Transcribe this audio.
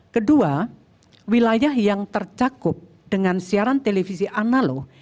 kedua wilayah yang tercakup dengan siaran televisi analog